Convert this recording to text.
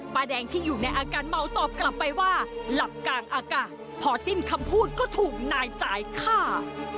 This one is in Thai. แดงที่อยู่ในอาการเมาตอบกลับไปว่าหลับกลางอากาศพอสิ้นคำพูดก็ถูกนายจ่ายฆ่า